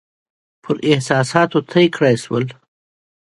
پر احساساتو طی کړای شول.